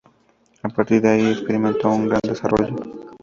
A partir de ahí, experimentó un gran desarrollo.